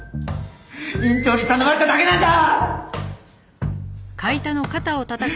院長に頼まれただけなんだ！